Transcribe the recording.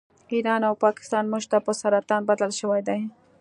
ایران او پاکستان موږ ته په سرطان بدل شوي دي